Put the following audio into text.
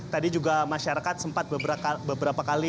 tadi juga masyarakat sempat beberapa kali diminta untuk berjalan ke lantai ini